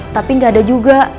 tapi gak ada juga